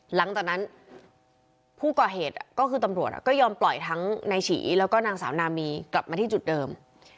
หลังจากนั้นผู้ก่อเหตุก็คือตำรวจก็ยอมปล่อยทั้งนายฉีแล้วก็นางสาวนามีกลับมาที่จุดเดิม